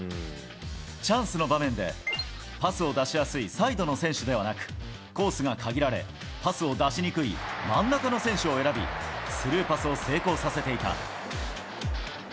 チャンスの場面で、パスを出しやすいサイドの選手ではなく、コースが限られ、パスを出しにくい真ん中の選手を選び、スルーパスを成功させていた。